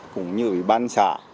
cũng như ủy ban nhân dân xã